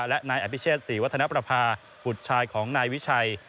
และนายอภิเชษศรีวัฒนประพาบุตรชายของนายวิชัย